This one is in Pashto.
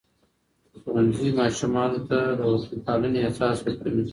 ښوونځي ماشومانو ته د وطنپالنې احساس ورکوي.